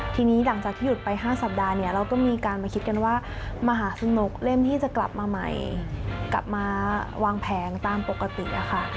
ทีนี้หลังจากที่หยุดไป๕สัปดาห์เนี่ยเราก็มีการมาคิดกันว่ามหาสนุกเริ่มที่จะกลับมาใหม่กลับมาวางแผงตามปกติอะค่ะ